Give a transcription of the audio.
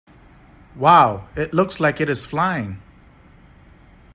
Wow! It looks like it is flying!